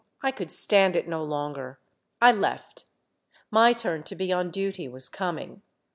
I could stand it no longer. I left. My turn to be on duty was coming.